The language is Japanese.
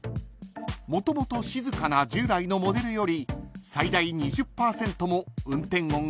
［もともと静かな従来のモデルより最大２０％も運転音が抑えられている］